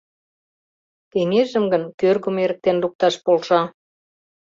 Кеҥежым гын кӧргым эрыктен лукташ полша.